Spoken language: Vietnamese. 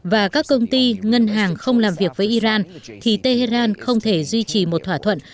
và các công ty ngân hàng không làm việc với iran thì tehran không thể duy trì một thỏa thuận